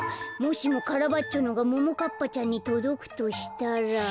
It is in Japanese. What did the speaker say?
もしもカラバッチョのがももかっぱちゃんにとどくとしたら。